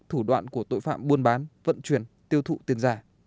thủ đoạn của tội phạm buôn bán vận chuyển tiêu thụ tiền giả